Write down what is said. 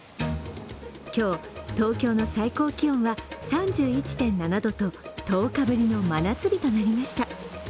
今日、東京の最高気温は３１．７度と１０日ぶりの真夏日となりました。